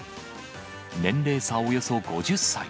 年齢差およそ５０歳。